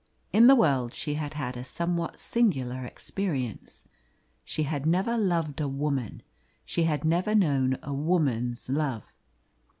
In the world she had had a somewhat singular experience. She had never loved a woman, she had never known a woman's love.